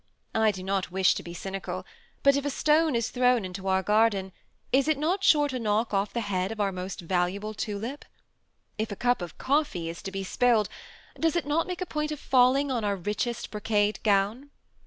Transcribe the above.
I do not wish to be cynical ; but if a stone is thrown into our garden, is it not sure to knock off the head of our most valuable tulip ? If a cup of coffee is to be spilled, does it not make a point of falling on our rich J THE SEMI ATTACHED COUPLE. 18 est brocade gown ?